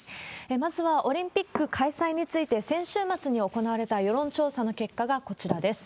まずはオリンピック開催について、先週末に行われた世論調査の結果がこちらです。